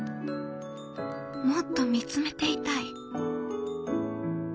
もっと見つめていたい。